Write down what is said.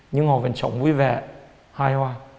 nhưng họ vẫn sống vui vẻ hai hoa